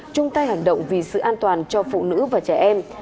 chung tay hành động vì sự an toàn cho phụ nữ và trẻ em